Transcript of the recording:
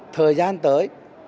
thời gian tới